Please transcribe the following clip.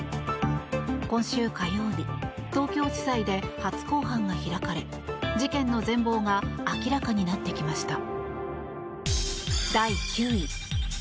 今週火曜日、東京地裁で初公判が開かれ事件の全貌が明らかになってきました。